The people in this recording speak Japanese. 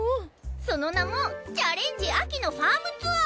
その名もちゃれんじ秋のファームツアー！